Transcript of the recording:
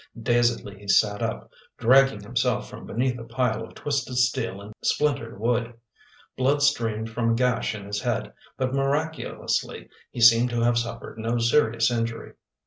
Dazedly he sat up, dragging himself from beneath a pile of twisted steel and splintered wood. Blood streamed from a gash in his head, but miraculously, he seemed to have suffered no serious injury.